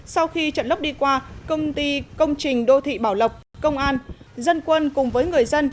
sau khi trận lốc đi qua công ty công trình đô thị bảo lộc công an dân quân cùng với người dân